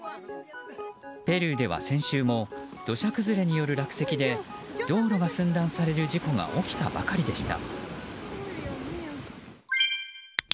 ペルーでは先週も土砂崩れによる落石で道路が寸断される事故が起きたばかりでした。